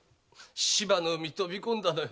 芝の海に飛び込んだのよ。